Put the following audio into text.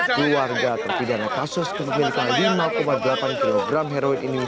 keluarga terpidana kasus kepemilikan lima delapan kg heroin ini